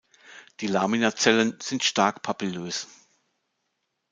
Die Laminazellen sind stark papillös.